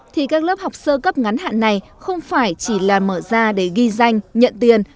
thì các lớp học sơ cấp ngắn hạn này không phải chỉ là mở ra để ghi danh nhận tiền